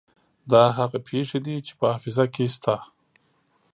دا هغه پېښې دي چې په حافظه کې شته.